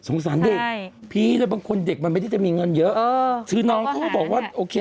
สงสารเด็กพีฮีหรือบางคนเด็กไม่ได้จะมีเงินเยอะซึ่งน้องเขาก็บอกว่าโอเคละ